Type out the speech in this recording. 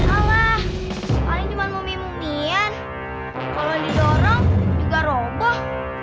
alah paling cuma mumi mumian kalau didorong juga roboh